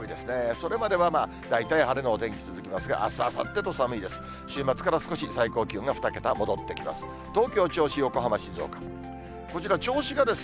それまではまあ、大体晴れのお天気、続きますが、あす、あさってと寒いです。